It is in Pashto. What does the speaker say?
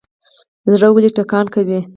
زړه ولې ټکان کوي؟